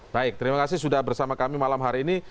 baik terima kasih sudah bersama kami malam hari ini